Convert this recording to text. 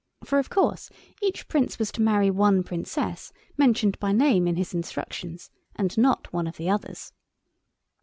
For, of course, each Prince was to marry one Princess, mentioned by name in his instructions, and not one of the others.